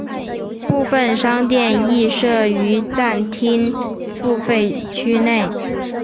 部分商店亦设于站厅付费区内。